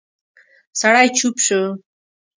سړی چوپ شو.